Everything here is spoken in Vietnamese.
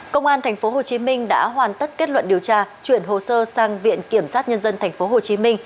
công an tp hcm đã hoàn tất kết luận điều tra chuyển hồ sơ sang viện kiểm sát nhân dân tp hcm